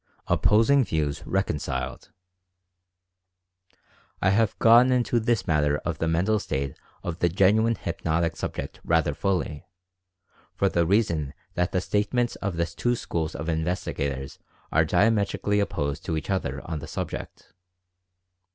OPPOSING VIEWS RECONCILED. I have gone into this matter of the mental state of the genuine hypnotic subject rather fully, for the rea Inquiry into Certain Phenomena 143 son that the statements of two schools of investigators are diametrically opposed to each other on the subject.